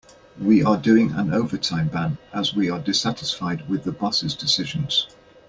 We are doing an overtime ban as we are dissatisfied with the boss' decisions.